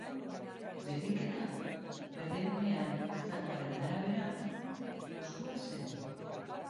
Berdinketa, berdegunean ikusitakoaren arabera, justua zen.